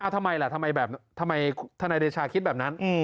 ทำไมล่ะทำไมแบบทำไมทนายเดชาคิดแบบนั้น